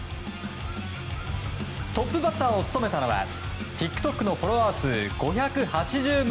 トップバッターを務めたのはＴｉｋＴｏｋのフォロワー数５８０万